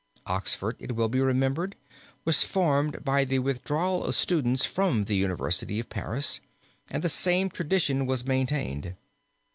Oxford, it will be remembered, was formed by the withdrawal of students from the University of Paris, and the same tradition was maintained.